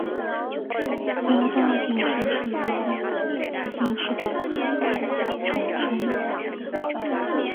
妖刀定式是一类围棋定式的统称。